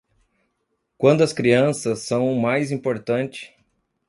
Quando as crianças são o mais importante